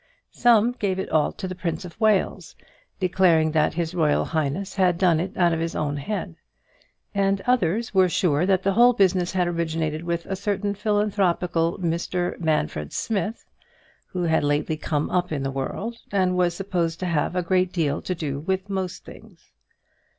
Some gave it all to the Prince of Wales, declaring that his royal highness had done it out of his own head; and others were sure that the whole business had originated with a certain philanthropical Mr Manfred Smith who had lately come up in the world, and was supposed to have a great deal to do with most things.